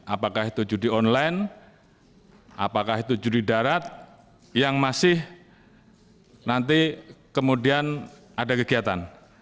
apakah itu judi online apakah itu judi darat yang masih nanti kemudian ada kegiatan